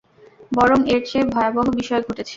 বরং এর চেয়ে ভয়াবহ বিষয় ঘটেছে।